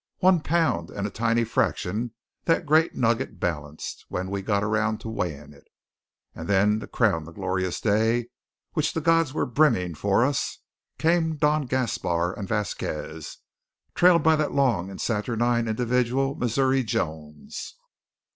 One pound and a tiny fraction that great nugget balanced when we got around to weighing it. And then to crown the glorious day which the gods were brimming for us, came Don Gaspar and Vasquez, trailed by that long and saturnine individual, Missouri Jones.